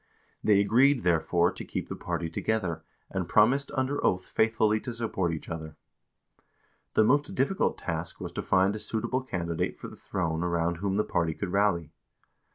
They agreed, therefore, to keep the party together, and promised under oath faithfully to support each other. The most difficult task was to find a suitable candidate for the throne around whom the party could rally.